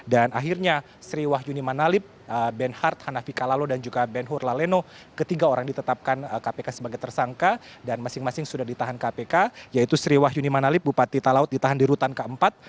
dan akhirnya sri wahyuni manalip benhart hanafi kalalo dan juga benhur laleno ketiga orang ditetapkan kpk sebagai tersangka dan masing masing sudah ditahan kpk yaitu sri wahyuni manalip bupati talaut ditahan di rutan keempat